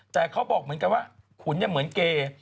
แต่เขาบอกเหมือนกันว่าขุนเหมือนเกย์